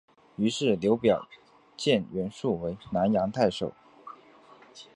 于是刘表荐袁术为南阳太守。